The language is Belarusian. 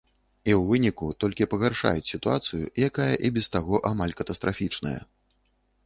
І ў выніку толькі пагаршаюць сітуацыю, якая і без таго амаль катастрафічная.